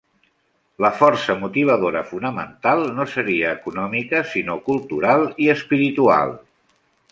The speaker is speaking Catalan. La força motivadora fonamental no seria econòmica sinó cultural i espiritual.